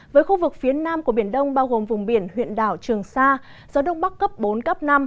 với khu vực phía nam của biển đông bao gồm vùng biển huyện đảo trường sa gió đông bắc cấp bốn cấp năm